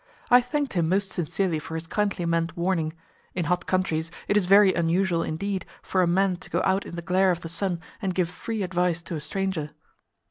I thanked him most sincerely for his kindly meant warning; in hot countries it is very unusual indeed for a man to go out in the glare of the sun and give free advice to a stranger.